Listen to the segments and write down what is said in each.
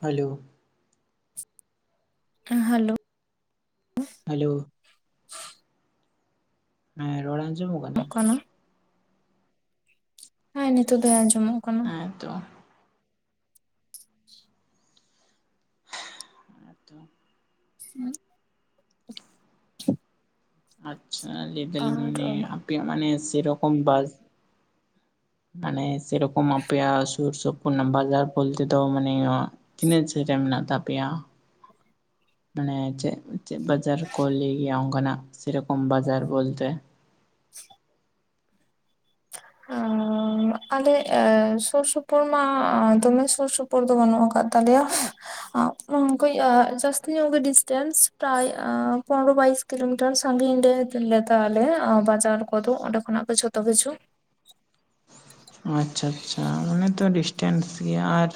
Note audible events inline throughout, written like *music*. Hello hello hello ᱦᱮᱸ ᱨᱚᱲ ᱟᱸᱡᱚᱢᱚᱜ ᱠᱟᱱᱟ? ᱦᱮᱸ ᱱᱤᱛᱳᱜ ᱫᱚ ᱟᱸᱡᱚᱢᱚᱜ ᱠᱟᱱᱟ ᱾ ᱦᱮᱸ ᱛᱚ ᱦᱮᱸ ᱛᱚ *inaudible* ᱟᱪᱪᱷᱟ ᱞᱟᱹᱭ ᱫᱟᱞᱤᱧ ᱟᱨ ᱢᱟᱱᱮ ᱟᱯᱮᱭᱟᱜ ᱢᱟᱱᱮ ᱥᱮᱨᱚᱠᱚᱢ ᱵᱟᱥ ᱢᱟᱱᱮ ᱥᱮᱨᱚᱠᱚᱢ ᱟᱯᱮᱭᱟᱜ ᱥᱩᱨ ᱥᱩᱯᱩᱨ ᱨᱮᱱᱟ ᱵᱟᱡᱟᱨ ᱵᱚᱞᱛᱮ ᱫᱚ ᱢᱟᱱᱮ ᱛᱤᱱᱟᱹᱜ ᱠᱷᱟᱱ. ᱞ ᱨᱮ ᱢᱮᱱᱟᱜ ᱛᱟᱯᱮᱭᱟ? ᱢᱟᱱᱮ ᱪᱮᱫ ᱪᱮᱫ ᱵᱟᱡᱟᱨ ᱠᱚ ᱞᱟᱹᱭ ᱜᱮᱭᱟ ᱚᱱᱠᱟᱱᱟᱜ ᱥᱮ ᱨᱚᱠᱚᱢ ᱵᱟᱡᱟᱨ ᱵᱚᱞᱛᱮ *inaudible* ᱟᱸᱻ ᱟᱞᱮ ᱥᱩᱨ ᱥᱩᱯᱩᱨ ᱢᱟ ᱫᱚᱢᱮ ᱥᱩᱨ ᱥᱩᱯᱩᱨ ᱫᱚ ᱵᱟᱹᱱᱩᱜ ᱟᱠᱟᱫ ᱛᱟᱞᱮᱭᱟ *unintelligible* ᱡᱟᱹᱥᱛᱤ ᱧᱚᱜ ᱜᱮ ᱰᱤᱥᱴᱮᱱᱥ ᱯᱨᱟᱭ ᱯᱚᱱᱨᱳ ᱵᱟᱭᱤᱥ ᱠᱤᱞᱳᱢᱤᱴᱟᱨ ᱥᱟ. ᱜᱤᱧ ᱨᱮ ᱞᱮᱛᱟᱞᱮ ᱵᱟᱡᱟᱨ ᱠᱚᱫᱚ ᱚᱸᱰᱮ ᱠᱷᱚᱱᱟᱜ ᱜᱮ ᱡᱷᱚᱛᱚ ᱠᱤᱪᱷᱩ ᱟᱪᱪᱷᱟ ᱟᱪᱪᱷᱟ ᱚᱱᱮ ᱛᱚ ᱰᱤᱥᱴᱮᱱᱥ ᱜᱮᱭᱟ ᱟᱨ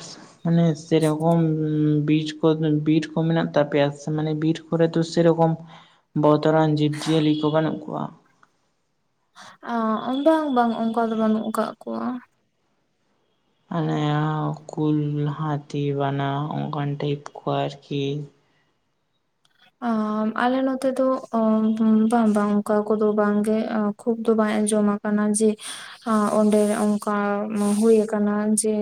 ᱢᱟᱱᱮ ᱥᱮᱨᱚᱠᱚᱢ ᱵᱤᱨ ᱠᱚ ᱢᱮᱱᱟᱜ ᱛᱟᱯᱮᱭᱟ ᱥᱮ? ᱠᱚᱨᱮ ᱫᱚ ᱥᱮᱨᱚᱠᱚᱢ ᱵᱚᱛᱚᱨᱟᱱ ᱡᱤᱵᱽ ᱡᱤᱭᱟᱹᱞᱤ ᱠᱚ ᱵᱟᱹᱱᱩᱜ ᱠᱚᱣᱟ? ᱵᱟᱝ ᱵᱟᱝ ᱚᱱᱠᱟ ᱫᱚ ᱵᱟᱹᱱᱩᱜ ᱠᱟᱜ ᱠᱚᱣᱟ ᱾ ᱚᱱᱮ ᱠᱩᱞ ᱦᱟᱹᱛᱤ ᱵᱟᱱᱟ ᱚᱱᱠᱟᱱ ᱴᱟᱭᱤᱯ ᱠᱚ ᱟᱨᱠᱤ ᱟᱞᱮ ᱱᱚᱛᱮ ᱫᱚ ᱵᱟᱝ ᱵᱟᱝ ᱚᱱᱠᱟ ᱠᱚᱫᱚ ᱵᱟᱝᱜᱮ ᱠᱷᱩᱵ ᱫᱚ ᱵᱟᱭ ᱟᱡᱚᱢᱟ ᱠᱟᱱᱟ ᱡᱮ ᱦᱮᱸ ᱚᱸᱰᱮ ᱚᱱᱠᱟ ᱦᱳᱭ ᱠᱟᱱᱟ ᱡᱮ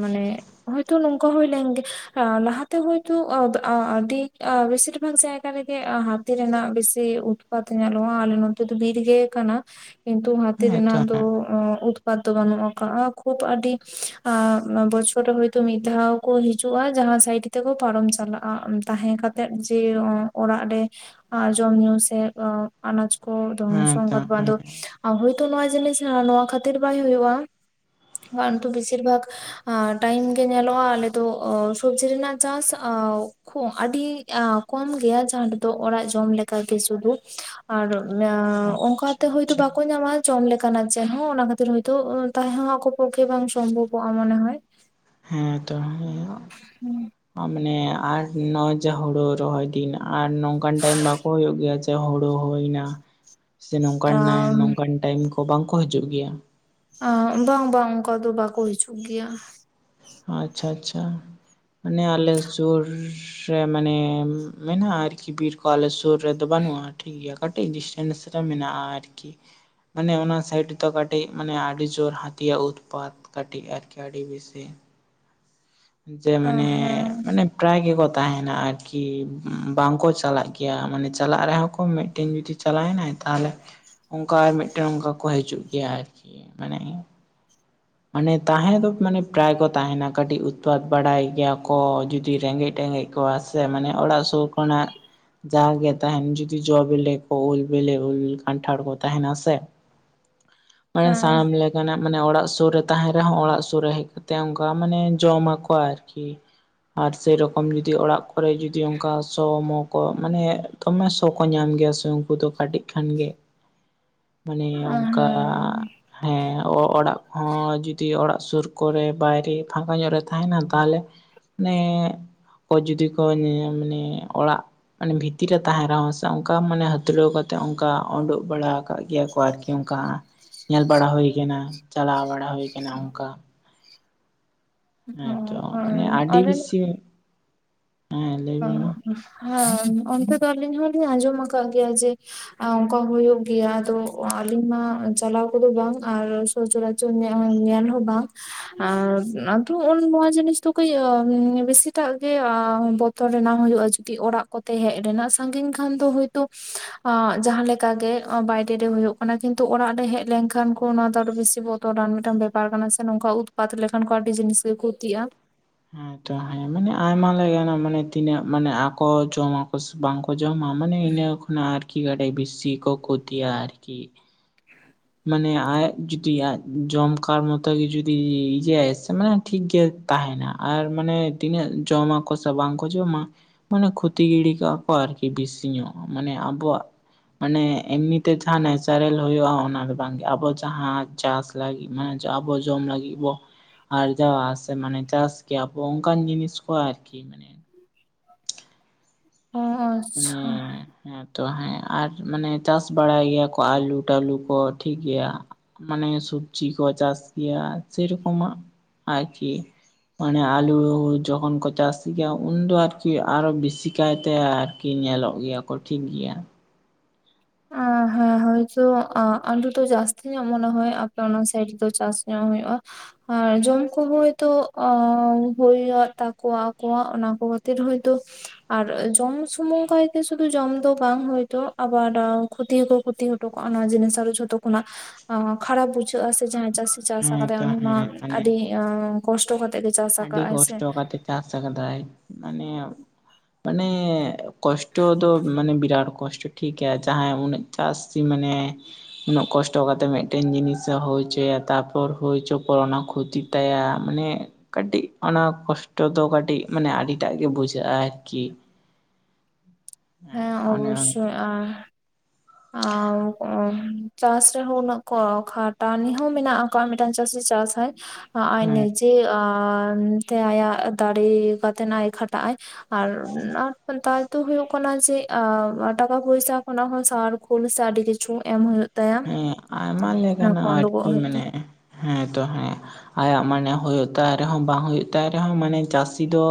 ᱢᱟᱱᱮ ᱦᱳᱭᱛᱚ ᱱᱚᱝᱠᱟ ᱦᱩᱭ ᱞᱮᱱᱜᱮ ᱞᱟᱦᱟᱛᱮ ᱦᱳᱭᱛᱳ ᱟᱹᱰᱤ ᱵᱮᱥᱤ ᱵᱮᱥᱤᱨ ᱵᱷᱟᱜᱽ ᱡᱟᱭᱜᱟ ᱨᱮᱜᱮ ᱦᱟᱹᱛᱤ ᱨᱮᱱᱟᱜ ᱵᱤᱥᱤ ᱩᱛᱯᱟᱛ ᱧᱮᱞᱚᱜᱼᱟ ᱟᱞᱮ ᱱᱚᱛᱮ ᱫᱚ ᱵᱤᱨ ᱜᱮ ᱠᱟᱱᱟ ᱠᱤᱱᱛᱩ ᱦᱟᱛᱤ ᱦᱮᱸ ᱛᱚ ᱨᱮᱱᱟᱜ ᱫᱚ ᱦᱮᱸ ᱛᱚᱯᱷᱟᱛ ᱫᱚ ᱵᱟᱹᱱᱩᱜ ᱠᱟᱜᱼᱟ ᱠᱷᱩᱵ ᱟᱹᱰᱤ ᱵᱚᱪᱷᱚᱨ ᱨᱮ ᱦᱳᱭᱛᱚ ᱢᱤᱫ ᱫᱷᱟᱣ ᱠᱚ ᱦᱤᱡᱩᱜᱼᱟ ᱡᱟᱦᱟᱸ ᱥᱟᱭᱤᱰ ᱜᱮ ᱛᱮᱠᱚ ᱯᱟᱨᱚᱢ ᱪᱟᱞᱟᱜᱼᱟ ᱾ ᱛᱟᱦᱮᱸ ᱠᱟᱛᱮᱫ ᱡᱮ ᱚᱲᱟᱜ ᱨᱮ ᱡᱚᱢ ᱧᱩ ᱥᱮ ᱟᱱᱟᱡ ᱠᱚ *unintelligible* *unintelligible* ᱦᱮᱸ ᱛᱚ ᱟᱵᱚ ᱦᱮᱸ ᱫᱚ ᱱᱚᱣᱟ ᱡᱤᱱᱤᱥ ᱦᱟᱸ ᱱᱚᱣᱟ ᱠᱷᱟᱹᱛᱤᱨ ᱵᱟᱭ ᱦᱩᱭᱩᱜᱼᱟ ᱠᱚᱱ ᱛᱚ ᱵᱮᱥᱤᱨ ᱵᱷᱟᱜ ᱟᱨ ᱴᱟᱭᱤᱢ ᱜᱮ ᱧᱮᱞᱚᱜᱼᱟ ᱟᱞᱮᱫ ᱫᱚ ᱥᱚᱵᱡᱤ ᱨᱮᱱᱟᱜ ᱪᱟᱥ ᱟᱣ ᱟᱹᱰᱤ ᱠᱚᱢ ᱜᱮᱭᱟ ᱡᱟᱦᱟᱸ ᱨᱮᱫᱚ ᱚᱲᱟᱜ ᱡᱚᱢ ᱞᱮᱠᱟᱜᱮ ᱥᱩᱫᱩ ᱟᱨ ᱟᱪᱪᱷᱟ ᱚᱱᱠᱟᱛᱮ ᱦᱳᱭᱛᱚ ᱟᱪᱪᱷᱟ ᱵᱟᱠᱚ ᱧᱟᱢᱟ ᱡᱚᱢ ᱞᱮᱠᱟᱱᱟᱜ ᱡᱟᱦᱟᱸ ᱚᱱᱟ ᱠᱷᱟᱹᱛᱤᱨ ᱦᱚᱭᱛᱚ ᱛᱟᱦᱮᱸ ᱦᱚᱸ ᱟᱠᱚ ᱯᱚᱠᱠᱷᱮ ᱵᱟᱝ ᱥᱚᱢᱵᱷᱚᱵᱚᱜᱼᱟ ᱢᱚᱱᱮ ᱦᱚᱭ ᱦᱮᱸ ᱛᱚ ᱦᱮᱸ ᱦᱩᱸ ᱢᱟᱱᱮ ᱟᱨ ᱱᱚ ᱡᱟ ᱦᱳᱲᱳ ᱨᱚᱦᱚᱭ ᱫᱤᱱ ᱟᱨ ᱱᱚᱝᱠᱟᱱ ᱴᱟᱭᱤᱢ ᱵᱟᱠᱚ ᱦᱳᱭᱳᱜ ᱜᱮᱭᱟ ᱥᱮ ᱦᱳᱲᱳ ᱦᱩᱭᱱᱟ ᱥᱮ ᱱᱚᱝᱠᱟᱱ, ᱱᱚᱝᱠᱟᱱ ᱴᱟᱭᱤᱢ ᱠᱚ ᱵᱟᱝ ᱠᱚ ᱦᱤᱡᱩᱜ ᱜᱮᱭᱟ ᱚ ᱵᱟᱝ ᱵᱟᱝ ᱚᱱᱠᱟ ᱫᱚ ᱵᱟᱠᱚ ᱦᱤᱡᱩᱜ ᱜᱮᱭᱟ ᱟᱪᱪᱷᱟ ᱟᱪᱪᱷᱟ ᱢᱟᱱᱮ ᱟᱞᱮ ᱥᱳᱨ ᱥᱮ ᱢᱟᱱᱮ ᱢᱮᱱᱟᱜᱼᱟ ᱟᱨᱠᱤ ᱵᱤᱨ ᱠᱚ ᱟᱞᱮ ᱥᱳᱨ ᱨᱮᱫᱚ ᱵᱟᱹᱱᱩᱜᱼᱟ ᱴᱷᱤᱠ ᱜᱮᱭᱟ ᱠᱟᱹᱴᱤᱡ ᱰᱤᱥᱴᱮᱱᱥ ᱨᱮ ᱢᱮᱱᱟᱜᱼᱟ ᱟᱨᱠᱤ ᱢᱟᱱᱮ ᱚᱱᱟ ᱥᱟᱭᱤᱰ ᱫᱚ ᱠᱟᱹᱴᱤᱡ ᱢᱟᱱᱮ ᱟᱹᱰᱤ ᱡᱳᱨ ᱦᱟᱹᱛᱤᱭᱟᱜ ᱩᱛᱯᱟᱛ ᱠᱟᱹᱴᱤᱡ ᱟᱨᱠᱤ ᱟᱹᱰᱤ ᱵᱤᱥᱤ ᱡᱮ ᱦᱮᱸ ᱢᱟᱱᱮ ᱢᱟᱱᱮ ᱯᱨᱟᱭ ᱜᱮᱠᱚ ᱛᱟᱦᱮᱱᱟ ᱟᱨᱠᱤ ᱵᱟᱝ ᱠᱚ ᱪᱟᱞᱟᱜ ᱜᱮᱭᱟ, ᱢᱟᱱᱮ ᱪᱟᱞᱟᱜ ᱨᱮᱦᱚᱸ ᱠᱚ ᱢᱤᱫᱴᱮᱱ ᱡᱩᱫᱤ ᱪᱟᱞᱟᱭ ᱱᱟᱭ ᱛᱟᱦᱞᱮ ᱚᱱᱠᱟ ᱟᱨ ᱢᱤᱫᱴᱮᱱ ᱚᱱᱠᱟ ᱠᱚ ᱦᱤᱡᱩᱜ ᱜᱮᱭᱟ ᱟᱨᱠᱤ ᱢᱟᱱᱮ ᱢᱟᱱᱮ ᱛᱟᱦᱮᱸ ᱫᱚ ᱢᱟᱱᱮ ᱯᱨᱟᱭ ᱠᱚ ᱛᱟᱦᱮᱸᱱᱟ ᱠᱟᱹᱴᱤᱡ ᱩᱯᱟᱛ ᱵᱟᱲᱟᱭ ᱜᱮᱭᱟ ᱠᱚ ᱡᱩᱫᱤ ᱨᱮᱸᱜᱮᱡ ᱴᱮᱸᱜᱮᱡ ᱠᱚᱣᱟ ᱥᱮ ᱢᱟᱱᱮ ᱚᱲᱟᱜ ᱥᱩᱨ ᱠᱷᱚᱱᱟᱜ ᱡᱟᱜᱮ ᱛᱟᱦᱮᱱ ᱡᱩᱫᱤ ᱡᱚ ᱵᱮᱞᱮ ᱠᱚ ᱩᱞ ᱵᱮᱞᱮ ᱩᱞ ᱠᱟᱱᱴᱷᱟᱲ ᱠᱚ ᱛᱟᱦᱮᱱᱟ ᱥᱮ *inaudible* ᱢᱟᱱᱮ ᱦᱮᱸ ᱥᱟᱱᱟᱢ ᱞᱮᱠᱟᱱᱟᱜ ᱢᱟᱱᱮ ᱚᱲᱟᱜ ᱥᱳᱨ ᱨᱮ ᱛᱟᱦᱮᱸ ᱨᱮᱦᱚᱸ ᱚᱲᱟᱜ ᱥᱳᱨ ᱨᱮ ᱦᱮᱡ ᱠᱟᱛᱮ ᱚᱱᱠᱟ ᱢᱟᱱᱮ ᱡᱚᱢᱟᱠᱚ ᱠᱚ ᱟᱨᱠᱤ ᱟᱨ ᱥᱮᱨᱚᱠᱚᱢ ᱡᱩᱫᱤ ᱚᱲᱟᱜ ᱛᱟᱯᱚᱨᱮ ᱡᱩᱫᱤ ᱚᱱᱠᱟ ᱥᱚ ᱢᱚ ᱠᱚ ᱢᱟᱱᱮ ᱫᱚᱢᱮ ᱥᱚ ᱠᱚ ᱧᱟᱢ ᱜᱮᱭᱟ ᱥᱮ ᱩᱱᱠᱩ ᱫᱚ ᱠᱟᱹᱴᱤᱡ ᱠᱷᱟᱱ ᱜᱮ ᱢᱟᱱᱮ ᱦᱮᱸ ᱚᱱᱠᱟ ᱦᱮᱸ ᱚᱲᱟᱜ ᱠᱚᱦᱚᱸ ᱡᱩᱫᱤ ᱚᱲᱟᱜ ᱥᱳᱨ ᱠᱚᱨᱮ ᱵᱟᱭᱨᱮ ᱯᱷᱟᱸᱠᱟ ᱧᱚᱜ ᱨᱮ ᱛᱟᱦᱮᱱᱟ ᱛᱟᱦᱞᱮ ᱢᱟᱱᱮ ᱚ ᱡᱩᱫᱤ ᱠᱚ ᱢᱟᱱᱮ ᱚᱲᱟᱜ ᱢᱟᱱᱮ ᱵᱷᱤᱛᱤᱨ ᱨᱮ ᱛᱟᱦᱮ ᱨᱮᱦᱚᱸ ᱥᱮ ᱚᱱᱠᱟ ᱢᱟᱱᱮ ᱦᱟᱹᱛᱲᱟᱹᱣ ᱠᱟᱛᱮᱜ ᱚᱱᱠᱟ ᱳᱰᱳᱜ ᱵᱟᱲᱟ ᱠᱟᱜ ᱜᱮᱭᱟ ᱠᱚ ᱚᱱᱠᱟ ᱧᱮᱞ ᱵᱟᱲᱟ ᱦᱳᱭ ᱠᱟᱱᱟ ᱪᱟᱞᱟᱣ ᱵᱟᱲᱟ ᱦᱳᱭ ᱠᱟᱱᱟ ᱚᱱᱠᱟ ᱦᱮᱸᱛᱚ ᱢᱟᱱᱮ ᱦᱮᱸ ᱟᱹᱰᱤ ᱵᱤᱥᱤ ᱚ ᱦᱮᱸ ᱚᱱᱛᱮ ᱫᱚ ᱟᱹᱞᱤᱧ ᱦᱚᱞᱤᱧ ᱟᱸᱡᱚᱢ ᱠᱟᱜ ᱜᱮᱭᱟ ᱡᱮ ᱚᱱᱠᱟ ᱦᱳᱭᱳᱜ ᱜᱮᱭᱟ ᱟᱫᱚ ᱟᱹᱞᱤᱧ ᱢᱟ ᱪᱟᱞᱟᱣ ᱠᱚᱫᱚ ᱵᱟᱝ ᱟᱨ ᱥᱚᱪᱚᱨᱟᱪᱚᱨ ᱧᱮᱞ ᱦᱚ ᱵᱟᱝ ᱟᱨ ᱟᱫᱚ ᱱᱚᱣᱟ ᱡᱤᱱᱤᱥ ᱫᱚ ᱠᱟᱹᱡ ᱵᱮᱥᱤᱴᱟᱜ ᱜᱮ ᱵᱚᱛᱚᱨ ᱛᱚ ᱨᱮᱱᱟᱜ ᱦᱳᱭᱳᱜᱼᱟ ᱡᱩᱫᱤ ᱚᱲᱟᱜ ᱠᱚᱛᱮ ᱦᱮᱡ ᱨᱮᱱᱟᱜ ᱥᱟᱺᱜᱤᱧ ᱠᱷᱟᱱ ᱫᱚ ᱦᱳᱭᱛᱳ ᱡᱟᱦᱟᱸ ᱞᱮᱠᱟ ᱠᱟ ᱜᱮ ᱵᱟᱭᱨᱮ ᱨᱮ ᱦᱳᱭᱳᱜ ᱠᱟᱱᱟ, ᱠᱤᱱᱛᱩ ᱚᱲᱟᱜ ᱨᱮ ᱦᱮᱡ ᱞᱮᱱ ᱠᱷᱟᱱ ᱠᱚ ᱚᱱᱟ ᱫᱚ ᱟᱨᱚ ᱵᱤᱥᱤ ᱵᱚᱛᱚᱨ ᱛᱚ ᱨᱟᱱ ᱢᱤᱫᱴᱟᱝ ᱵᱮᱯᱟᱨ ᱠᱟᱱᱟ ᱥᱮ ᱱᱚᱝᱠᱟ ᱩᱛᱯᱟᱛ ᱞᱮᱠᱷᱟᱱ ᱠᱚ ᱟᱹᱰᱤ ᱡᱤᱱᱤᱥ ᱜᱮ ᱠᱷᱚᱛᱤᱜᱼᱟ ᱦᱮᱸᱛᱚ ᱦᱮᱸ ᱢᱟᱱᱮ ᱟᱭᱢᱟ ᱞᱮᱠᱟᱱᱟᱜ ᱢᱟᱱᱮ ᱛᱤᱱᱟᱹᱜ ᱢᱟᱱᱮ ᱟᱠᱚ ᱡᱚᱢᱟ ᱵᱟᱝᱠᱚ ᱡᱚᱢᱟ ᱢᱟᱱᱮ ᱤᱱᱟᱹ ᱠᱷᱚᱱᱟᱜ ᱟᱨᱠᱤ ᱜᱟᱴᱮ ᱵᱤᱥᱤ ᱠᱚ ᱠᱷᱚᱛᱤᱭᱟ ᱟᱨᱠᱤ ᱦᱮᱸ ᱢᱟᱱᱮ ᱟᱭᱟᱜ ᱡᱩᱫᱤ ᱟ ᱡᱚᱢ ᱠᱟᱨ ᱢᱚᱛᱚ ᱜᱮ ᱡᱩᱫᱤ ᱤᱭᱟᱹᱟᱭ ᱥᱮ ᱢᱟᱱᱮ ᱴᱷᱤᱠ ᱜᱮᱭᱟ ᱛᱟᱦᱮᱱᱟ ᱟᱨ ᱢᱟᱱᱮ ᱛᱤᱱᱟᱹᱜ ᱡᱚᱢᱟᱠᱚ ᱥᱮ ᱵᱟᱝᱠᱚ ᱡᱚᱢᱟ ᱢᱟᱱᱮ ᱠᱷᱚᱛᱤ ᱜᱤᱰᱤ ᱠᱟᱜᱼᱟ ᱠᱚ ᱟᱨᱠᱤ ᱵᱮᱥᱤ ᱧᱚᱜ ᱢᱟᱱᱮ ᱟᱵᱚᱣᱟᱜ ᱢᱟᱱᱮ ᱮᱢᱱᱤᱛᱮ ᱡᱟᱦᱟᱸ ᱱᱮᱪᱟᱨᱮᱞ ᱦᱩᱭᱩᱜᱼᱟ ᱚᱱᱟ ᱟᱫᱚ ᱵᱟᱝᱜᱮ ᱟᱵᱚ ᱡᱟᱦᱟᱸ ᱪᱟᱥ ᱞᱟᱹᱜᱤᱫ ᱢᱟᱱᱮ ᱟᱵᱚ ᱡᱚᱢ ᱞᱟᱹᱜᱤᱫ ᱵᱚ ᱟᱨᱡᱟᱣᱟ ᱥᱮ ᱢᱟᱱᱮ ᱪᱟᱥ ᱜᱮᱮᱭᱟᱵᱚ ᱚᱱᱠᱟᱱ ᱡᱤᱱᱤᱥ ᱠᱚ ᱟᱨᱠᱤ ᱢᱟᱱᱮ ᱚ ᱚ ᱢᱟᱱᱮᱻ ᱦᱮᱸᱛᱚ ᱦᱮᱸ ᱟᱨ ᱢᱟᱱᱮ ᱪᱟᱥ ᱵᱟᱲᱟᱭ ᱜᱮᱭᱟ ᱠᱚ ᱟᱹᱞᱩ ᱴᱟᱞᱩ ᱠᱚ ᱴᱷᱤᱠ ᱜᱮᱭᱟ ᱢᱟᱱᱮ ᱥᱚᱵᱽᱡᱤ ᱠᱚ ᱪᱟᱥ ᱜᱮᱭᱟ ᱥᱮᱨᱚᱠᱚᱢᱟᱜ ᱟᱨᱠᱤ ᱢᱟᱱᱮ ᱟᱞᱩ ᱡᱚᱠᱷᱚᱱ ᱠᱚ ᱪᱟᱥ ᱜᱮᱭᱟ ᱩᱱ ᱫᱚ ᱟᱨᱠᱤ ᱟᱨᱚ ᱵᱮᱥᱤ ᱠᱟᱭᱛᱮ ᱟᱨ ᱠᱤ ᱧᱮᱞᱚᱜ ᱜᱮᱭᱟ ᱠᱚ ᱴᱷᱤᱠ ᱜᱮᱭᱟ ᱾ ᱦᱮᱸᱦᱟ ᱦᱟ ᱦᱳᱭᱛᱚ ᱟᱹᱞᱩ ᱫᱚ ᱡᱟᱹᱥᱛᱤ ᱧᱚᱜ ᱢᱚᱱᱮ ᱦᱳᱭ ᱟᱯᱮ ᱚᱱᱟ ᱥᱟᱭᱤᱰ ᱨᱮᱫᱚ ᱪᱟᱥ ᱧᱚᱜ ᱦᱩᱭᱩᱜ ᱟ? ᱟᱨ ᱡᱚᱢ ᱠᱚᱦᱚᱸ ᱦᱭᱛᱳ ᱦ ᱛᱟᱠᱚᱣᱟ ᱟᱠᱚᱣᱟᱜ ᱚᱱᱟ ᱠᱚ ᱠᱷᱟᱹᱛᱤᱨ ᱦᱚᱳᱭᱛᱚ ᱟᱨ ᱡᱚᱢ ᱥᱩᱢᱩᱝ ᱠᱟᱭᱛᱮ ᱥᱩᱫᱩ ᱡᱚᱢ ᱫᱚ ᱵᱟᱝ ᱦᱚᱭᱛᱚ ᱟᱵᱟᱨ ᱠᱷᱚᱛᱤ ᱦᱚᱸᱠᱚ ᱠᱷᱚᱛᱤ ᱦᱚᱴᱚ ᱠᱟᱜᱼᱟ ᱚᱱᱟ ᱡᱤᱱᱤᱥ ᱟᱨ ᱡᱷᱚᱛᱚ ᱠᱷᱚᱱᱟᱜ ᱠᱷᱟᱨᱟᱯ ᱵᱩᱡᱷᱟᱹᱜᱼᱟ ᱥᱮ ᱡᱟᱦᱟᱸ ᱪᱟᱹᱥᱤ ᱪᱟᱥ ᱦᱮᱸ ᱟᱠᱟᱫᱟᱭ ᱛᱚ ᱩᱱᱤ ᱢᱟ ᱦᱮᱸ ᱢᱟᱱᱮ ᱟᱹᱰᱤ ᱦ ᱠᱚᱥᱴᱚ ᱠᱟᱛᱮᱜ ᱜᱮ ᱪᱟᱥ ᱟᱹᱰᱤ ᱟᱠᱟᱟᱭ ᱥᱮ ᱠᱚᱥᱴᱚ ᱠᱟᱛᱮ ᱪᱟᱥ ᱟᱠᱟᱫᱟᱭ ᱢᱟᱱᱮ, ᱢᱟᱱᱮ ᱠᱚᱥᱴᱚ ᱫᱚ ᱢᱟᱱᱮ ᱵᱤᱨᱟᱴ ᱠᱚᱥᱴᱚ ᱴᱷᱤᱠ ᱜᱮᱭᱟ ᱡᱟᱦᱟᱸᱭ ᱩᱱᱟᱹᱜ ᱪᱟᱹᱥᱤ ᱢᱟᱱᱮ ᱩᱱᱟᱹᱜ ᱠᱚᱥᱴᱚ ᱠᱟᱛᱮᱜ ᱢᱤᱫᱴᱮᱱ ᱡᱤᱱᱤᱥ ᱮ ᱦᱩᱭ ᱦᱚᱪᱚᱭᱟ ᱛᱟᱨᱯᱚᱨ ᱦᱩᱭᱪᱚ ᱯᱚᱨ ᱚᱱᱟ ᱠᱷᱚᱛᱤ ᱛᱟᱭᱟ ᱢᱟᱱᱮ ᱠᱟᱹᱴᱤᱡ ᱚᱱᱟ ᱠᱚᱥᱴᱚ ᱫᱚ ᱠᱟᱹᱴᱤᱡ ᱢᱟᱱᱮ ᱟᱹᱰᱤᱴᱟᱜ ᱜᱮ ᱵᱩᱡᱷᱟᱹᱜᱼᱟ ᱟᱨᱠᱤ ᱦᱮᱸ ᱚᱱ ᱚᱵᱚᱥᱥᱳᱭ ᱦᱟᱝᱠᱟ ᱟᱨ ᱟᱨ ᱪᱟᱥ ᱨᱮᱦᱚᱸ ᱩᱱᱟᱹᱜ ᱠᱚ ᱠᱷᱟᱴᱟᱱᱤ ᱦᱚᱸ ᱢᱮᱱᱟᱜᱼᱟ ᱾ ᱠᱚᱭ ᱢᱤᱫᱴᱟᱝ ᱪᱟᱹᱥᱤ ᱪᱟᱥᱟᱭ ᱟᱨ ᱟᱡ ᱦᱮᱸ ᱱᱤᱡᱮ ᱟᱱ ᱛᱮ ᱟᱭᱟᱜ ᱫᱟᱲᱮ ᱠᱟᱛᱮ ᱟᱡ ᱠᱷᱟᱴᱟᱜ ᱟᱭ ᱟᱨ ᱛᱟᱭ ᱫᱚ ᱦᱩᱭᱩᱜ ᱠᱟᱱᱟ ᱠᱷᱚᱱᱟ ᱡᱮ ᱴᱟᱠᱟ ᱯᱚᱭᱥᱟ ᱠᱷᱚᱱᱟᱜ ᱦᱚᱸ ᱥᱟᱣᱟᱨ ᱠᱷᱳᱞ ᱥᱮ ᱟᱹᱰᱤ ᱠᱤᱪᱷᱩ ᱮᱢ ᱦᱩᱭᱩᱜ ᱛᱟᱭᱟ ᱦᱮᱸ ᱟᱭᱢᱟ ᱚᱱᱟ ᱠᱚ ᱞᱮᱠᱟᱱᱟᱜ ᱩᱰᱩᱠᱚᱜ ᱟᱨᱠᱤ ᱦᱩᱭᱩᱜ ᱢᱟᱱᱮ ᱛᱟᱭᱟ ᱦᱮᱸᱛᱚ ᱦᱮᱸ ᱟᱭᱟᱜ ᱢᱟᱱᱮ ᱦᱩᱭᱩᱜ ᱛᱟᱭ ᱨᱮᱦᱚᱸ ᱵᱟᱝ ᱦᱩᱭᱩᱜ ᱛᱟᱭ ᱨᱮᱦᱚᱸ ᱢᱟᱱᱮ ᱪᱟᱥ ᱥᱤ ᱫᱚ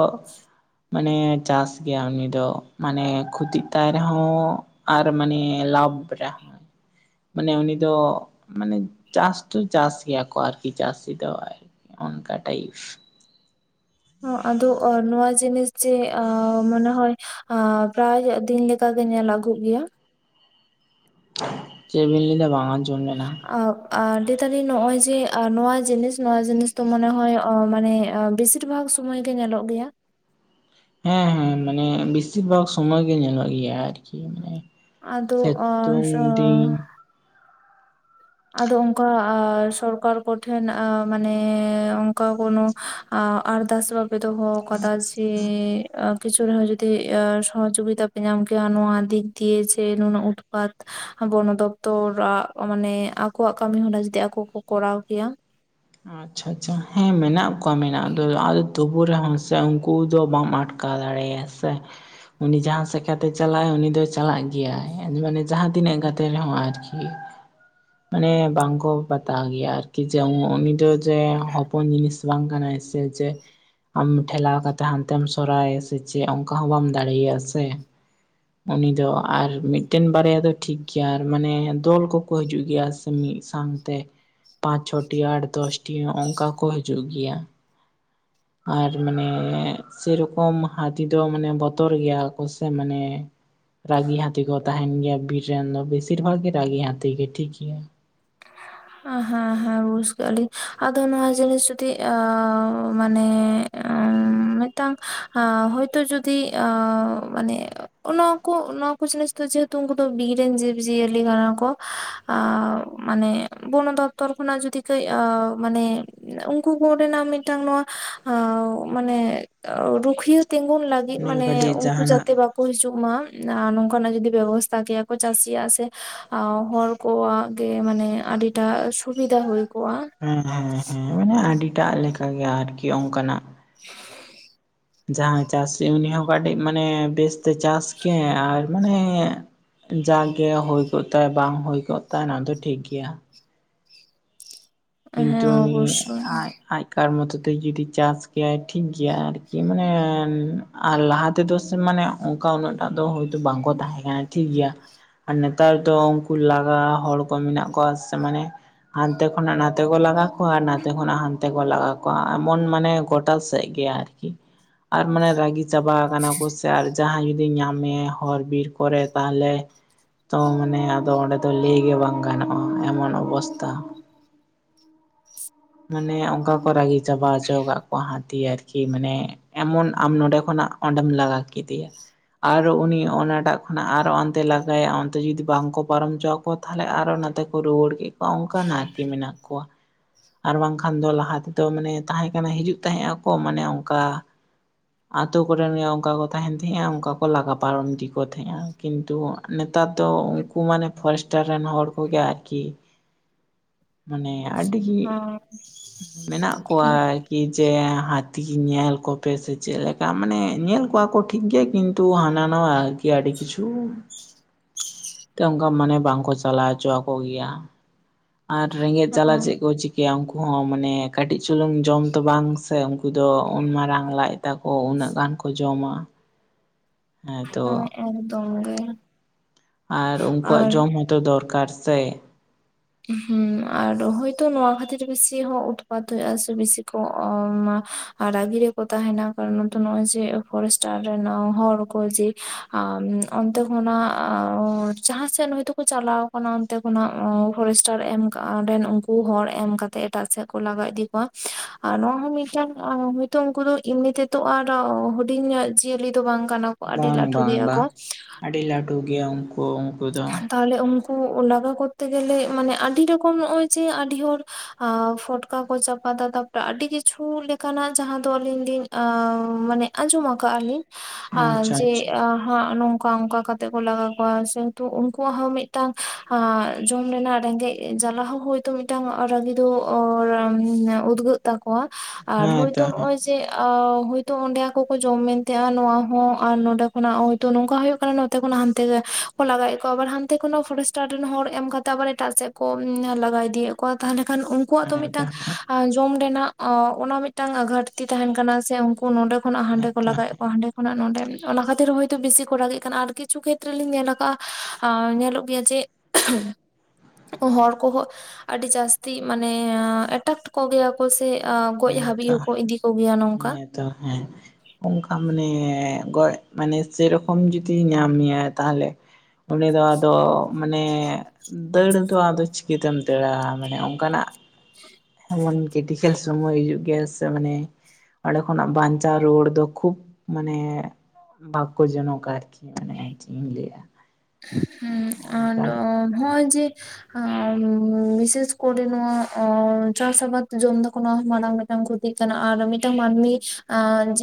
ᱢᱟᱱᱮ ᱪᱟᱥ ᱜᱮᱭᱟ ᱩᱱᱤᱤᱫᱚ ᱢᱟᱱᱮ ᱠᱷᱚᱛᱤᱜ ᱛᱟᱭ ᱨᱮᱦᱚᱸ ᱟᱨ ᱢᱟᱱᱮ ᱞᱟᱵᱷ ᱫᱟ ᱢᱟᱱᱮ ᱩᱱᱤ ᱫᱚ ᱢᱟᱱᱮ ᱪᱟᱥ ᱫᱚ ᱪᱟᱥ ᱜᱮᱭᱟ ᱠᱚ ᱟᱨᱠᱤ ᱪᱟᱹᱥᱤ ᱫᱚ ᱚᱱᱠᱟ ᱴᱟᱭᱤᱵᱽ ᱦ ᱟᱫᱚ ᱱᱚᱣᱟ ᱡᱤᱱᱤᱥ ᱡᱮ ᱟ ᱢᱚᱱᱮ ᱦᱚᱭ ᱯᱨᱟᱭ ᱫᱤᱱ ᱜᱮᱮ ᱱᱮᱛᱟᱨ ᱫᱚ ᱧᱮᱞ ᱟᱹᱜᱩ ᱜᱮᱭᱟ ᱪᱮᱫᱵᱤᱱ ᱞᱟᱹᱭᱫᱟᱟ ᱵᱟᱝ ᱟᱡᱚᱢ ᱟᱵᱽ ᱟᱫ ᱛᱟᱞᱤ ᱱᱚᱜᱼᱚᱭ ᱡᱮ ᱱᱚᱣᱟ ᱡᱤᱱᱤᱥ ᱱᱚᱣᱟ ᱡᱤᱱᱤᱥ ᱛᱚ ᱢᱚᱱᱮ ᱦᱚᱭ ᱢᱟᱱᱮ ᱵᱮᱥᱤ ᱵᱮᱥᱤᱨ ᱵᱷᱟᱜᱽ ᱥᱚᱢᱢᱚᱭ ᱜᱮ ᱧᱮᱞᱚᱜ ᱜᱮᱭᱟ ᱾ ᱦᱮᱸ ᱦᱮᱸ ᱢᱟᱱᱮ ᱵᱮᱥᱤᱨ ᱵᱷᱟᱜᱽ ᱥᱚᱢᱚᱭ ᱜᱮ ᱧᱮᱞᱚᱜ ᱜᱮᱭᱟ ᱟᱨᱠᱤ ᱢᱟᱱᱮ ᱟᱫᱚ ᱟ ᱪᱛᱩᱝ ᱥᱚ ᱫᱤᱱ ᱟᱫᱚ ᱚᱱᱠᱟ ᱥᱚᱨᱠᱟᱨ ᱠᱚᱴᱷᱮᱱ ᱟ ᱢᱟᱱᱮ ᱚᱱᱠᱟ ᱠᱳᱱᱳ ᱟᱨᱫᱟᱥ ᱵᱟᱯᱮ ᱫᱚᱦ ᱠᱟᱫᱟ ᱡᱮ ᱟ ᱠᱤᱪᱷᱩ ᱨᱮᱦᱚᱸ ᱡᱩᱫᱤ ᱥᱚᱦᱚᱡᱳᱜᱤᱛᱟ ᱯᱮ ᱧᱟᱢ ᱠᱮᱭᱟ ᱱᱚᱣᱟ ᱫᱤᱠ ᱫᱤᱭᱮ ᱥᱮ ᱱᱩᱱᱟᱹᱜ ᱩᱛᱯᱟᱛ ᱵᱚᱱᱚᱚᱫᱯᱛᱚᱨᱟᱜ ᱟᱜ ᱢᱟᱱᱮ ᱟᱠᱚᱣᱟᱜ ᱠᱟᱹᱢᱤᱦᱚᱨᱟ ᱡᱩᱫᱤ ᱟᱠᱚ ᱠᱚ ᱠᱚᱨᱟᱣ ᱠᱮᱭᱟ ᱾ ᱟᱪᱪᱷᱟ ᱟᱪᱪᱷᱟ ᱟᱪᱪᱷᱟ ᱦᱮᱸ ᱢᱮᱱᱟᱜ ᱠᱚᱣᱟ ᱢᱮᱱᱟᱜ ᱫᱚ ᱟᱫᱚ ᱛᱩᱵᱩ ᱨᱮᱦᱚᱸ ᱥᱮ ᱩᱱᱠᱩ ᱫᱚ ᱵᱟᱢ ᱟᱴᱠᱟᱣ ᱫᱟᱲᱮᱭᱟᱭᱟ ᱥᱮ ᱩᱱᱤ ᱡᱟᱦᱟᱸ ᱥᱮᱠᱟᱛᱮᱭ ᱪᱟᱞᱟᱜ ᱟᱭ ᱩᱱᱤ ᱫᱚᱭ ᱪᱟᱞᱟᱜ ᱜᱮᱭᱟᱭ ᱢᱟᱱᱮ ᱡᱟᱦᱟᱸ ᱛᱤᱱᱟᱹᱜ ᱜᱟᱛᱮ ᱨᱮᱦᱚᱸ ᱟᱨᱠᱤ ᱢᱟᱱᱮ ᱵᱟᱝᱠᱚ ᱵᱟᱛᱟᱣ ᱜᱮᱭᱟ ᱟᱨᱠᱤ ᱡᱮ ᱩᱱᱤ ᱫᱚ ᱡᱮ ᱦᱚᱯᱚᱱ ᱡᱤᱱᱤᱥ ᱵᱟᱝ ᱠᱟᱱᱟ ᱮ ᱥᱮ ᱡᱮ ᱟᱢ ᱴᱷᱮᱞᱟᱣ ᱠᱟᱛᱮᱫ ᱦᱟᱱᱛᱮᱢ ᱥᱚᱨᱦᱟᱭᱟ ᱥᱮ ᱪᱮᱫ ᱚᱱᱠᱟ ᱦᱚᱸ ᱵᱟᱢ ᱫᱟᱲᱮᱭᱟᱜᱼᱟ ᱥᱮ ᱩᱱᱤ ᱫᱚ ᱟᱨ ᱢᱤᱫᱴᱮᱱ ᱵᱟᱨᱭᱟ ᱫᱚ ᱴᱷᱤᱠ ᱜᱤᱭᱟ ᱟᱨ ᱢᱟᱱᱮ ᱫᱚᱞ ᱠᱚᱠᱚ ᱦᱤᱡᱩᱜ ᱜᱮᱭᱟ ᱢᱤᱫ ᱥᱟᱶᱛᱮ ᱯᱟᱸᱪ ᱪᱷᱚᱴᱤ ᱟᱴ ᱫᱚᱥᱴᱤ ᱱᱚᱝᱠᱟ ᱠᱚ ᱦᱤᱡᱩᱜ ᱜᱤᱭᱟ *inaudible* ᱟᱨ ᱢᱟᱱᱮ ᱥᱮᱨᱚᱠᱚᱢ ᱦᱟᱹᱛᱤ ᱫᱚ ᱢᱟᱱᱮ ᱵᱚᱛᱚᱨ ᱜᱮᱭᱟᱠᱚ ᱥᱮ ᱢᱟᱱᱮ ᱨᱟᱹᱜᱤ ᱦᱟᱹᱛᱤ ᱠᱚ ᱛᱟᱦᱮᱱ ᱜᱤᱭᱟ ᱵᱤᱨ ᱨᱮᱱ ᱫᱚ ᱵᱮᱥᱤᱨ ᱵᱷᱟᱜᱽ ᱜᱮ ᱨᱟᱹᱜᱤ ᱦᱟᱹᱛᱤ ᱜᱮ ᱴᱷᱤᱠ ᱜᱤᱭᱟ ᱦᱮᱸ ᱦᱮᱸ ᱵᱩᱡᱽ ᱠᱟᱹᱜᱼᱟ ᱞᱤᱧ ᱟᱫᱚ ᱱᱚᱣᱟ ᱡᱤᱱᱤᱥ ᱡᱩᱫᱤ ᱟ ᱢᱟᱱᱮ ᱟᱸ, *inaudible* ᱢᱤᱫᱴᱟᱝ ᱦᱚᱳᱭᱛᱳ ᱡᱩᱫᱤ ᱢᱟᱱᱮ *unintelligible* *unintelligible* ᱡᱮᱦᱮᱛᱩ ᱩᱱᱠᱩ ᱫᱚ ᱵᱤᱨ ᱨᱮᱱ ᱡᱤᱵᱽ ᱡᱤᱭᱟᱹᱞᱤ ᱠᱟᱱᱟ ᱠᱚ ᱟᱨ ᱢᱟᱱᱮ ᱾ ᱵᱚᱱᱚ ᱫᱚᱯᱛᱚᱨ ᱠᱷᱚᱱᱟᱜ ᱡᱩᱫᱤ ᱠᱟᱹᱡ ᱢᱟᱱᱮ ᱩᱱᱠᱩ ᱠᱚᱨᱮᱱᱟᱜ ᱢᱤᱫᱴᱟᱝ ᱱᱚᱣᱟ ᱢᱟᱱᱮ ᱨᱩᱠᱷᱤᱭᱟᱹ ᱛᱤᱸᱜᱩᱱ ᱞᱟᱹᱜᱤᱫ ᱢᱟᱱᱮ ᱠᱟᱹᱴᱤᱡ ᱩᱱᱠᱩ ᱡᱟᱦᱟᱱᱟᱜ ᱡᱟᱛᱮ ᱵᱟᱠᱚ ᱠᱚ ᱦᱤᱡᱩᱜ ᱢᱟ ᱟᱨ ᱱᱚᱝᱠᱟᱱᱟᱜ ᱡᱩᱫᱤ ᱵᱮᱵᱚᱥᱛᱟ ᱠᱮᱭᱟ ᱠᱚ ᱪᱟᱹᱥᱤᱭᱟᱜ ᱥᱮ ᱦᱚᱲ ᱠᱚᱣᱟᱜ ᱜᱮ ᱢᱟᱱᱮ ᱟᱹᱰᱤᱴᱟᱜ ᱥᱩᱵᱤᱫᱷᱟ ᱦᱩᱭ ᱠᱚᱜᱼᱟ ᱦᱮᱸ ᱦᱮᱸ ᱦᱮᱸ ᱢᱟᱱᱮ ᱟᱹᱰᱤᱴᱟᱜ ᱞᱮᱠᱟ ᱜᱮ ᱟᱨᱠᱤ ᱚᱱᱠᱟᱱᱟᱜ *inaudible* ᱡᱟᱦᱟᱸᱭ ᱪᱟᱹᱥᱤ ᱡᱚᱢᱤ ᱦᱚᱸ ᱠᱟᱹᱴᱤᱡ ᱢᱟᱱᱮ ᱵᱮᱥᱛᱮ ᱪᱟᱥ ᱠᱮ ᱟᱨ ᱢᱟᱱᱮ ᱡᱟᱜᱮ ᱦᱩᱭ ᱠᱚᱜ ᱛᱟᱭ ᱵᱟᱝ ᱦᱩᱭ ᱠᱚᱜ ᱛᱟᱭᱟ ᱚᱱᱟ ᱫᱚ ᱴᱷᱤᱠ ᱜᱮᱭᱟ ᱦᱮᱸ ᱠᱤᱱᱛᱩ ᱱᱩᱭ ᱚᱵᱚᱥᱥᱳᱭ ᱟᱡ ᱟᱭᱠᱟᱨ ᱢᱚᱛ ᱛᱮ ᱡᱩᱫᱤ ᱪᱟᱥ ᱠᱮᱭᱟᱭ ᱴᱷᱤᱠ ᱜᱮᱭᱟ ᱟᱨᱠᱤ ᱢᱟᱱᱮ ᱟᱨ ᱞᱟᱦᱟ ᱛᱮᱫᱚ ᱥᱮ ᱢᱟᱱᱮ ᱚᱱᱠᱟ ᱩᱱᱟᱹᱜᱴᱟᱜ ᱫᱚ ᱦᱚᱭᱛᱚ ᱵᱟᱝᱠᱚ ᱛᱟᱦᱮᱸ ᱠᱟᱱᱟ ᱴᱷᱤᱠ ᱜᱮᱭᱟ ᱟᱨ ᱱᱮᱛᱟᱨ ᱫᱚ ᱩᱱᱠᱩ ᱞᱟᱜᱟ ᱦᱚᱲ ᱠᱚ ᱢᱮᱱᱟᱜ ᱠᱚᱣᱟ ᱥᱮ ᱢᱟᱱᱮ ᱦᱟᱱᱛᱮ ᱠᱷᱚᱱᱟᱜ ᱱᱟᱛᱮ ᱦᱟᱱᱛᱮ ᱠᱚ ᱞᱟᱜᱟ ᱠᱚᱣᱟ ᱟᱨ ᱱᱟᱛᱮ ᱠᱷᱚᱱᱟᱜ ᱦᱟᱱᱛᱮ ᱠᱚ ᱞᱟᱜᱟ ᱠᱚᱣᱟ ᱮᱢᱚᱱ ᱢᱟᱱᱮ ᱜᱚᱴᱟ ᱥᱮᱫ ᱜᱮ ᱟᱨᱠᱤ ᱟᱨ ᱢᱟᱱᱮ ᱨᱟᱜᱤ ᱪᱟᱵᱟ ᱠᱟᱱᱟ ᱠᱚ ᱥᱮ ᱟᱨ ᱡᱟᱦᱟᱸᱭ ᱡᱩᱫᱤ ᱧᱟᱢᱮᱭᱟ ᱦᱚᱨ ᱵᱤᱨ ᱠᱚᱨᱮ ᱛᱟᱦᱚᱞᱮ ᱛᱚ ᱢᱟᱱᱮ ᱟᱫᱚ ᱚᱸᱰᱮ ᱫᱚ ᱞᱟᱹᱭ ᱜᱮ ᱵᱟᱝ ᱜᱟᱱᱚᱜᱼᱟ ᱮᱢᱚᱱ ᱚᱵᱚᱥᱛᱟ ᱢᱟᱱᱮ ᱚᱱᱠᱟ ᱠᱚ ᱨᱟᱹᱜᱤ ᱪᱟᱵᱟ ᱦᱚᱪᱚ ᱠᱟᱜ ᱠᱚᱣᱟ ᱦᱟᱹᱛᱤ ᱟᱨᱠᱤ ᱢᱟᱱᱮ ᱮᱢᱚᱱ ᱟᱢ ᱱᱚᱰᱮ ᱠᱷᱚᱱᱟᱜ ᱚᱸᱰᱮᱢ ᱞᱟᱜᱟ ᱠᱮᱫᱮᱭᱟ ᱟᱨᱚ ᱩᱱᱤ ᱚᱱᱟᱴᱟᱜ ᱠᱷᱚᱱᱟᱜ ᱟᱨᱚ ᱚᱱᱛᱮ ᱞᱟᱜᱟᱭᱟ ᱚᱱᱛᱮ ᱡᱩᱫᱤ ᱵᱟᱝᱠᱚ ᱯᱟᱨᱚᱢ ᱦᱚᱪᱟᱠᱣᱟ ᱛᱟᱦᱚᱞᱮ ᱟᱨᱚ ᱱᱟᱛᱮ ᱠᱚ ᱨᱩᱣᱟᱹᱲ ᱠᱮᱫ ᱠᱚᱣᱟ ᱚᱱᱠᱟᱱ ᱟᱨᱠᱤ ᱢᱮᱱᱟᱜ ᱠᱚᱣᱟ ᱟᱨ ᱵᱟᱝᱠᱷᱟᱱ ᱫᱚ ᱞᱟᱦᱟ ᱛᱮᱫᱚ ᱢᱟᱱᱮ ᱛᱟᱦᱮᱸ ᱠᱟᱱᱟ ᱦᱤᱡᱩᱜ ᱛᱟᱦᱮᱸᱫ ᱟᱠᱚ ᱢᱟᱱᱮ ᱚᱱᱠᱟ ᱟᱛᱳ ᱠᱚᱨᱮᱱ ᱜᱮ ᱚᱱᱠᱟ ᱠᱚ ᱛᱟᱦᱮᱱ ᱛᱟᱦᱮᱸᱜᱼᱟ ᱚᱱᱠᱟ ᱠᱚ ᱞᱟᱜᱟ ᱯᱟᱨᱚᱢ ᱤᱫ ᱠᱚ ᱛᱟᱦᱮᱸᱜᱼᱟ᱾ ᱠᱤᱱᱛᱩ ᱱᱮᱛᱟᱨ ᱫᱚ ᱩᱱᱠᱩ ᱢᱟᱱᱮ ᱯᱷᱚᱨᱮᱥᱴᱟᱨ ᱨᱮᱱ ᱦᱚᱲ ᱠᱚᱜᱮ ᱟᱨᱠᱤ ᱢᱟᱱᱮ ᱟᱹᱰᱤᱜᱮ ᱚᱸ *inaudible* ᱢᱮᱱᱟᱜ ᱠᱚᱣᱟᱠᱤ ᱡᱮ ᱦᱟᱹᱛᱤ ᱧᱮᱞ ᱠᱚᱯᱮ ᱥᱮ ᱪᱮᱫ ᱞᱮᱠᱟ ᱢᱟᱱᱮ ᱧᱮᱞ ᱠᱚᱣᱟ ᱠᱚ ᱴᱷᱤᱠ ᱜᱮᱭᱟ ᱠᱤᱱᱛᱩ ᱦᱟᱱᱟ ᱱᱟᱣᱟᱠ ᱟᱨᱠᱤ ᱟᱰᱤᱠᱤᱪᱽᱩ ᱛᱮ ᱚᱱᱠᱟ ᱢᱟᱱᱮ ᱵᱟᱝᱠᱚ ᱪᱟᱞᱟᱣ ᱦᱚᱪᱚ ᱟᱠ ᱜᱮᱭᱟ ᱟᱨ ᱨᱮᱸᱜᱮᱡ ᱡᱟᱞᱟ ᱪᱮᱫ ᱠᱚ ᱪᱤᱠᱟᱭᱟ ᱠᱟᱹᱡ ᱩᱱᱠᱩ ᱦᱚᱸ ᱢᱟᱱᱮ ᱠᱟᱹᱴᱤᱡ ᱪᱩᱞᱩᱝ ᱡᱚᱢ ᱫᱚ ᱵᱟᱝ ᱥᱮ ᱩᱱᱠᱩ ᱫᱚ ᱩᱱ ᱢᱟᱨᱟᱝ ᱞᱟᱡ ᱛᱟᱠᱚ ᱩᱱᱟᱹᱜ ᱜᱟᱱ ᱠᱚ ᱡᱚᱢᱟ᱾ *inaudible* ᱦᱮᱸᱛᱚ ᱦᱮᱸ ᱮᱠᱫᱚᱢ ᱜᱮ ᱟᱨ ᱩᱱᱠᱩᱣᱟᱜ ᱟᱨ ᱡᱚᱢ ᱦᱚᱸ ᱛᱚ ᱫᱚᱨᱠᱟᱨ ᱥᱮ ᱦᱢ ᱟᱨ ᱦᱚᱭᱛᱚ ᱱᱚᱣᱟ ᱠᱷᱟᱹᱛᱤᱨ ᱵᱤᱥᱤ ᱦᱚᱸ ᱩᱛᱯᱟᱛ ᱦᱩᱭᱩᱜ ᱟ ᱥᱮ ᱵᱮᱥᱤ ᱠᱚ *unintelligible* ᱟᱨ ᱨᱟᱹᱜᱤ ᱨᱮᱠᱚ ᱛᱟᱦᱮᱱᱟ ᱠᱟᱨᱚᱱ ᱢᱚᱱᱛᱮ ᱱᱚᱜᱼᱚᱭ ᱡᱮ ᱯᱷᱚᱨᱮᱥᱴᱟᱨ ᱨᱮᱱ ᱦᱚᱲ ᱠᱚ ᱡᱮ ᱟᱨ ᱚᱱᱛᱮ ᱠᱷᱚᱱᱟᱜ ᱡᱟᱦᱟᱸ ᱥᱮᱫ ᱦᱚᱳᱭᱛᱳ ᱠᱚ ᱪᱟᱞᱟᱣ ᱟᱠᱟᱱᱟ ᱚᱱᱛᱮ ᱠᱷᱚᱱᱟᱜ, ᱯᱷᱚᱨᱮᱥᱴᱟᱨ ᱮᱢ ᱠᱟᱜᱼᱟ ᱚᱸᱰᱮᱱ ᱩᱱᱠᱩ ᱦᱚᱲ ᱮᱢ ᱠᱟᱛᱮᱫ ᱮᱴᱟᱜ ᱥᱮᱫ ᱠᱚ ᱞᱟᱜᱟ ᱤᱫᱤ ᱠᱚᱣᱟ᱾ ᱟᱨ ᱱᱚᱣᱟ ᱦᱚᱸ ᱢᱤᱴᱟᱝ ᱦᱚᱳᱭᱛᱚ ᱩᱱᱠᱩ ᱫᱚ ᱮᱢᱱᱤ ᱛᱮ ᱛᱚ ᱟᱨ ᱦᱩᱰᱤ ᱧᱚᱜ ᱡᱤᱭᱟᱹᱞᱤ ᱫᱚ ᱵᱟᱝ ᱠᱟᱱᱟ ᱠᱚ ᱟᱹᱰᱤ ᱵᱟᱝ ᱞᱟᱹᱴᱷᱩ ᱵᱟᱝ ᱜᱮᱭᱟ ᱵᱟᱝ, ᱠᱚ ᱟᱹᱰᱤ ᱞᱟᱹᱴᱩ ᱜᱮᱭᱟ ᱩᱱᱠᱩ ᱩᱱᱠᱩ ᱫᱚ, ᱛᱟᱦᱚᱞᱮ ᱩᱝᱠᱩ ᱞᱟᱜᱟ ᱠᱚᱨᱛᱮ ᱜᱮᱞᱮ ᱢᱟᱱᱮ ᱟᱹᱰᱤ ᱨᱚᱠᱚᱢ ᱱᱚᱜᱼᱚᱭ ᱡᱮ ᱟᱹᱰᱤ ᱦᱚᱲ ᱯᱷᱚᱴᱠᱟ ᱠᱚ ᱪᱟᱯᱟᱫᱟ ᱛᱟᱯᱚᱨᱮ ᱟᱹᱰᱤ ᱠᱤᱪᱷᱩ ᱞᱮᱠᱟᱱᱟᱜ ᱡᱟᱦᱟᱸ ᱫᱚ ᱟᱹᱞᱤᱧ ᱞᱤᱧ ᱟᱻ ᱢᱟᱱᱮ ᱟᱸᱡᱚᱢ ᱟᱠᱟᱜᱼᱟ ᱞᱤᱧ ᱟᱨ ᱟᱪᱪᱷᱟ ᱡᱮ ᱟᱪᱪᱷᱟ ᱟ ᱦᱟᱜ ᱱᱚᱝᱠᱟ ᱚᱝᱠᱟ ᱠᱟᱛᱮ ᱠᱚ ᱞᱟᱜᱟ ᱠᱚᱣᱟ ᱥᱮ ᱛᱚ ᱩᱱᱠᱩᱣᱟᱜ ᱦᱚᱸ ᱢᱤᱫᱴᱟᱝ ᱡᱚᱢ ᱨᱮᱱᱟᱜ ᱨᱮᱸᱜᱮᱡ ᱡᱟᱞᱟ ᱦᱚᱸ ᱦᱚᱳᱭᱛᱚ ᱢᱤᱫᱴᱟᱝ ᱨᱟᱹᱜᱤ ᱫᱚ ᱩᱫᱜᱟᱹᱜ ᱛᱟᱠᱚᱣᱟ ᱟᱨ ᱦᱮᱸ ᱦᱚᱭᱛᱚ ᱛᱚ ᱱᱚᱜ ᱦᱮᱸ ᱚᱭ ᱡᱮ ᱦᱚᱳᱭᱛᱚ ᱚᱸᱰᱮ ᱟᱠᱚ ᱠᱚ ᱡᱚᱢ ᱢᱮᱱ ᱛᱮᱜᱼᱟ ᱱᱚᱣᱟ ᱦᱚᱸ ᱟᱨ ᱱᱚᱰᱮ ᱠᱷᱚᱱᱟᱜ ᱛ ᱱᱚᱝᱠᱟ ᱦᱩᱭᱩᱜ ᱠᱟᱱᱟ ᱱᱚᱛᱮ ᱠᱷᱚᱱᱟᱜ ᱦᱟᱱᱛᱮ ᱞᱟᱜᱟᱭᱮᱫ ᱠᱚᱣᱟ ᱟᱵᱟᱨ ᱦᱟᱱᱛᱮ ᱠᱷᱱ ᱦᱚᱸ ᱯᱷᱚᱨᱮᱥᱴᱟᱨ ᱨᱮᱱ ᱦᱚᱲ ᱮᱢ ᱠᱟᱛᱮ ᱟᱵᱟᱨ ᱮᱴᱟᱜ ᱥᱮᱫ ᱠᱚ ᱞᱟᱜᱟ ᱤᱫᱤᱭᱮᱫ ᱠᱚ ᱛᱟᱸᱦᱚᱞᱮ ᱠᱷᱟᱱ ᱩᱱᱠᱩᱣᱟᱜ ᱛᱚ ᱦᱮᱸ ᱢᱤᱫᱴᱟᱝ ᱦᱮᱸ ᱡᱚᱢ ᱨᱮᱱᱟᱜ ᱚᱱᱟ ᱢᱤᱫᱴᱟᱝ ᱜᱷᱟᱴᱛᱤ ᱛᱟᱦᱮᱱ ᱠᱟᱱᱟ ᱥᱮ ᱩᱱ ᱱᱚᱰᱮ ᱠᱷᱚᱱᱟᱜ ᱦᱟᱸᱰᱮ ᱠᱚ ᱦᱮᱸᱛᱚ ᱞᱟᱜᱟᱣᱮᱫ ᱠᱚᱣᱟ ᱦᱟᱸᱰᱮ ᱠᱷᱚᱱᱟᱜ ᱱᱚᱰᱮ, ᱚᱱᱟ ᱠᱷᱟᱹᱛᱤᱨ ᱦᱚᱤᱛᱳ ᱵᱤᱥᱤ ᱠᱚ ᱨᱟᱹᱜᱤᱜ ᱠᱟᱱᱟ ᱟᱨ ᱠᱤᱪᱷᱩ ᱠᱷᱮᱛᱨᱮ ᱞᱤᱧ ᱧᱮᱞ ᱟᱠᱟ ᱱᱠᱟ ᱧᱮᱞᱚᱜ ᱜᱮᱭᱟ ᱡᱮ ᱦᱚᱲ ᱠᱚᱦᱚᱸ ᱟᱹᱰᱤ ᱡᱟᱹᱥᱛᱤ ᱢᱟᱱᱮ ᱮᱴᱨᱟᱠᱴ ᱠᱚᱜᱮᱭᱟ ᱠᱚ ᱥᱮ ᱟᱹ ᱜᱚᱡ ᱦᱟᱹᱵᱤᱡ ᱦᱮᱸᱛᱚ ᱦᱮᱸᱛᱚ ᱦᱚᱸᱠᱚ ᱤᱫᱤ ᱠᱚᱜᱮᱭᱟ ᱱᱚᱝᱠᱟ᱾ ᱦᱮᱸ ᱛᱚ ᱦᱮᱸ ᱚᱱᱠᱟ ᱢᱟᱱᱮ ᱜᱚᱡ ᱢᱟᱱᱮ ᱥᱮᱨᱚᱠᱚᱢ ᱡᱩᱫᱤ ᱧᱟᱢᱮᱭᱟᱭ ᱛᱟᱦᱞᱮ ᱩᱱᱤ ᱫᱚ ᱟᱫᱚ ᱢᱟᱱᱮ ᱫᱟᱹᱲ ᱫᱚ ᱟᱫᱚ ᱪᱤᱠᱟᱹᱛᱮᱢ ᱫᱟᱹᱲᱟ, ᱢᱟᱱᱮ ᱚᱱᱠᱟᱱᱟᱜ ᱮᱢᱚᱱ ᱠᱤᱴᱤᱠᱮᱞᱥ ᱥᱚᱢᱚᱭ ᱦᱤᱡᱩᱜ ᱜᱮᱭᱟ ᱥᱮ ᱢᱟᱱᱮ, ᱚᱸᱰᱮ ᱠᱷᱚᱱᱟᱜ ᱵᱟᱧᱪᱟᱣ ᱨᱩᱣᱟᱹᱲ ᱫᱚ ᱠᱷᱩᱵ ᱢᱟᱱᱮ, ᱵᱟᱠᱚ ᱡᱚᱱᱚᱠ ᱟᱨᱠᱤ ᱢᱟᱱᱮ ᱪᱮᱫ ᱤᱧ ᱞᱟᱹᱭᱟ᱾ ᱦᱮᱸ ᱚᱱᱠᱟᱱᱟᱜ ᱟᱨ ᱦᱚᱳᱭ ᱡᱮ ᱵᱤᱥᱮᱥ ᱠᱚᱨᱮ ᱱᱚᱣᱟ ᱟᱸ ᱪᱟᱥ ᱟᱵᱟᱫ ᱡᱚᱢ ᱫᱚ ᱢᱟᱨᱟᱝ ᱢᱤᱫᱴᱟᱝ ᱠᱟᱱᱟ ᱟᱨ ᱢᱤᱫᱴᱟᱝ ᱢᱟᱹᱱᱢᱤ